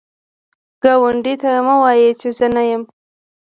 ګاونډي ته مه وایی چې زه نه یم